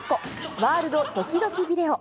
ワールドドキドキビデオ。